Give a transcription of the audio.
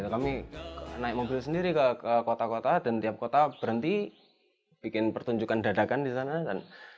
kami naik mobil sendiri ke kota kota dan tiap kota berhenti bikin pertunjukan dadakan di sana